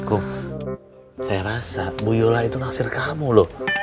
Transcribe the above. um saya rasa bu yola itu ngasir kamu loh